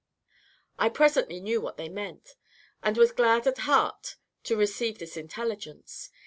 I presently knew what they meant, and was glad at heart to receive this intelligence.